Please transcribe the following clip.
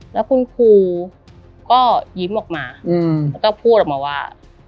แล้วคุณครูก็ยิ้มออกมาแล้วก็พูดออกมาว่า